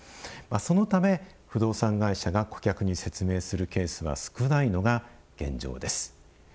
そのため不動産会社が顧客に説明するケースは少ないのが現状です。